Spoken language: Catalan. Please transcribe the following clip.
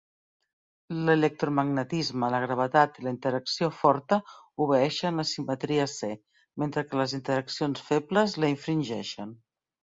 L'electromagnetisme, la gravetat i la interacció forta obeeixen la simetria C, mentre que les interaccions febles la infringeixen.